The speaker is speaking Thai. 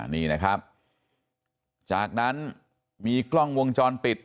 นี่นะครับจากนั้นมีกล้องวงจรปิด